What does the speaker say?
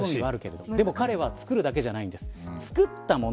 でも彼は作るだけじゃないんです。